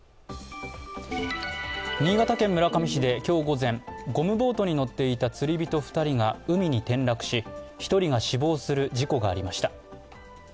新潟県村上市で今日午前、ゴムボートに乗っていた釣り人２人が海に転落し、１人が死亡する事故がありました。